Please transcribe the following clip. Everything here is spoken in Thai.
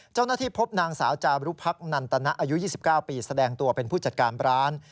เจ้าหน้าที่พบนางสาวจารุพักนันตนะอายุ๒๙ปีแสดงตัวเป็นผู้จัดการร้าน